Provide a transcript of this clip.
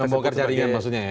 membongkar jaringan maksudnya ya